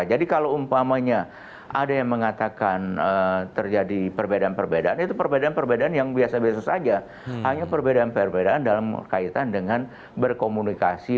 jadi kalau umpamanya ada yang mengatakan terjadi perbedaan perbedaan itu perbedaan perbedaan yang biasa biasa saja hanya perbedaan perbedaan dalam kaitan dengan berkomunikasi